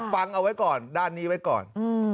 ฟังเอาไว้ก่อนด้านนี้ไว้ก่อน